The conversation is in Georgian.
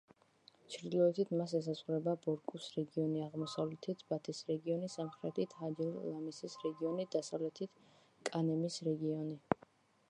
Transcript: ჩრდილოეთით მას ესაზღვრება ბორკუს რეგიონი, აღმოსავლეთით ბათის რეგიონი, სამხრეთით ჰაჯერ-ლამისის რეგიონი, დასავლეთით კანემის რეგიონი.